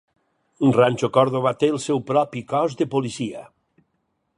Rancho Cordova té el seu propi cos de policia.